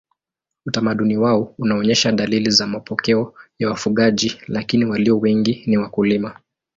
Utamaduni wao unaonyesha dalili za mapokeo ya wafugaji lakini walio wengi ni wakulima.